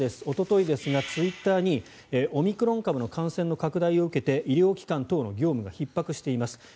おとといですが、ツイッターにオミクロン株の感染の拡大を受けて医療機関等の業務がひっ迫しています。